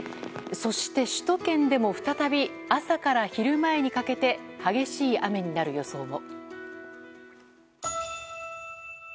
そして首都圏でも再び朝から昼前にかけて激しい雨になる予想も。